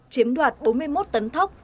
chiếm đoạt bốn mươi một tấn thóc